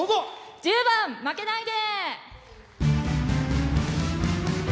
１０番「負けないで」。